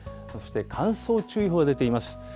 そして乾燥注意報が出ています。